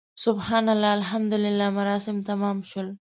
سبحان الله، الحمدلله مراسم تمام شول.